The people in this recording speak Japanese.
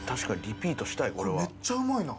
リピートしたいこれは。